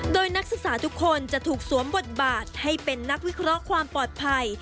โดยนักศึกษาทุกคนจะถูกสวมบทบาทให้เป็นนักวิเคราะห์ความปลอดภัย